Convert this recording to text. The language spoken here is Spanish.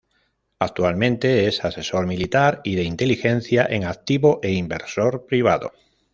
Actualmente, es asesor militar y de inteligencia en activo e inversor privado.